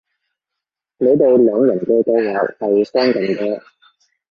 你哋兩人嘅計劃係相近嘅